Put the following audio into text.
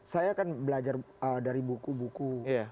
saya kan belajar dari buku buku